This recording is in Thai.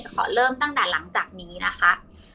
ขอเริ่มตั้งแต่หลังจากนี้นะคะ